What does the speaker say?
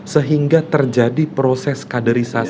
sehingga terjadi proses kaderisasi yang baik